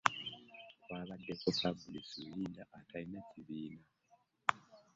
Kwabaddeko Fabrice Rulinda atalina kibiina